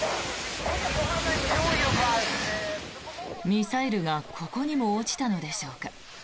ミサイルがここにも落ちたのでしょうか。